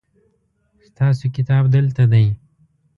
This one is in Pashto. ستاسو کتاب دلته دی